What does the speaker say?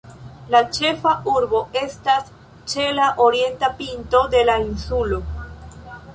La ĉefa urbo estas ĉe la orienta pinto de la insulo.